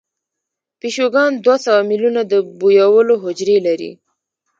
پیشوګان دوه سوه میلیونه د بویولو حجرې لري.